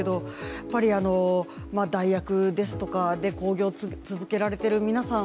やっぱり、代役ですとか興行続けられている皆さん